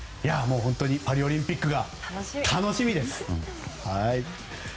パリオリンピックが楽しみです。